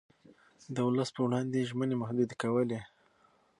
د ولس پر وړاندې يې ژمنې محدودې کولې.